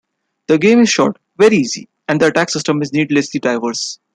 The game is short, very easy, and the attack system is needlessly diverse.